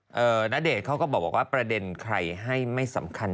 ณเดชน์เขาก็บอกว่าประเด็นใครให้ไม่สำคัญ